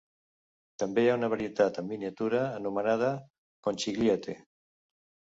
També hi ha una varietat en miniatura anomenada "conchigliette".